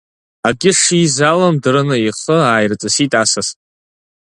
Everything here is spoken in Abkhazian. Акгьы шизалам дырны ихы ааирҵысит асас.